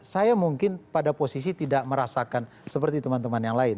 saya mungkin pada posisi tidak merasakan seperti teman teman yang lain